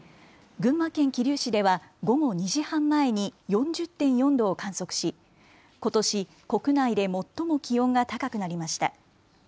群馬県桐生市では午後２時半前に４０．４度を観測し、ことし国内で最も気温が高くなりました。